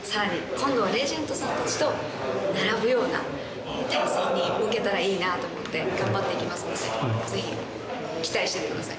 今度はレジェンドさんたちと並ぶようなウケたらいいなと思って頑張って行きますのでぜひ期待しててください。